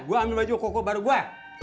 gua ambil baju koko baru gua